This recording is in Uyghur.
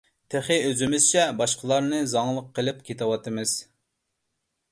تېخى ئۆزىمىزچە باشقىلارنى زاڭلىق قىلىپ كېتىۋاتىمىز.